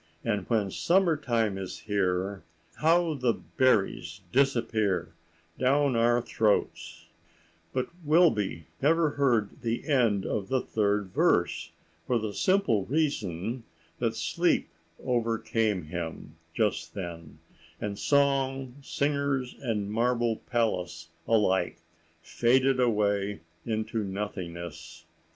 And when summer time is here, How the berries disappear Down our throats—" But Wilby never heard the end of the third verse, for the simple reason that sleep overcame him just then, and song, singers, and marble palace alike faded away into nothingness.